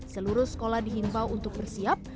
seluruh sekolah dihimbau untuk bersiap